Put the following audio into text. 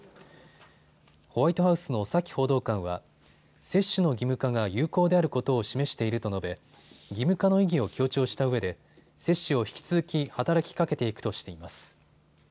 ホワイトハウスのサキ報道官は接種の義務化が有効であることを示していると述べ義務化の意義を強調したうえで接種を引き続き働きかけていくとしています。